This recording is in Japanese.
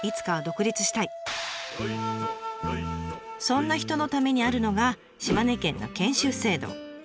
そんな人のためにあるのが島根県の研修制度。